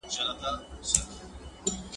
اسلام د مذهب ازادي ورکوي.